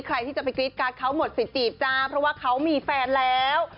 ใครที่จะไปกรี๊ดการ์ดเขาหมดสิทธิ์จีบจ้าเพราะว่าเขามีแฟนแล้ว